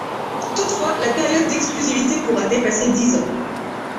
Toutefois, la période d’exclusivité pourra dépasser dix ans.